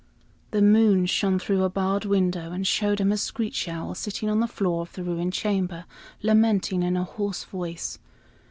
The moon shone through a barred window and showed him a screech owl sitting on the floor of the ruined chamber, lamenting in a hoarse voice.